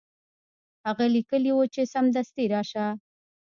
هغه لیکلي وو چې سمدستي راشه.